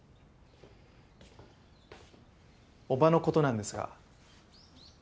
叔母の事なんですが。